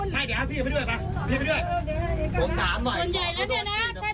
ใจเย็นไม่ต้องนั่นใจเย็น